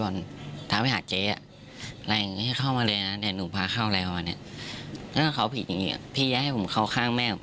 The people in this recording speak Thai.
แล้วก็ไปหาพี่บอล